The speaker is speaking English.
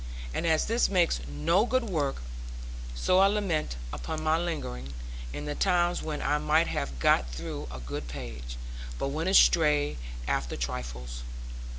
And as this makes no good work, so I lament upon my lingering, in the times when I might have got through a good page, but went astray after trifles.